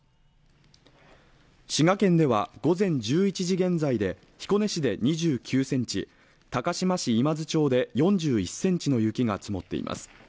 滋賀県では午前１１時現在で彦根市で２９ｃｍ、高島市今津町で４１ｃｍの雪が積もっています。